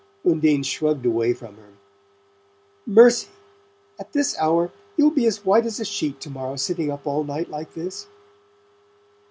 Undine shrugged away from her. "Mercy! At this hour? You'll be as white as a sheet to morrow, sitting up all night like this."